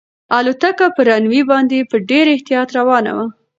الوتکه په رن وې باندې په ډېر احتیاط روانه وه.